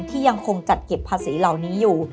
ที่ยังคงจัดเก็บภาษีเหล่านี้อยู่